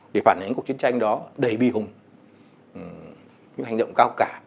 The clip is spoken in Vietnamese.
để phản hành cuộc chiến tranh đó đầy bi hùng những hành động cao cả